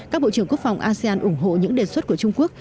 các bộ trưởng quốc phòng asean ủng hộ những đề xuất của trung quốc